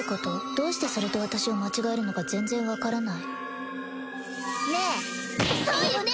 どうしてそれと私を間違えるのか全然分からないねえそうよね？